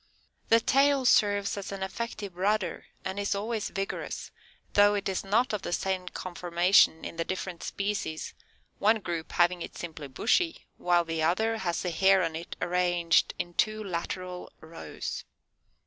The tail serves as an effective rudder and is always vigorous, though it is not of the same conformation in the different species, one group having it simply bushy, while the other has the hair on it arranged in two lateral rows.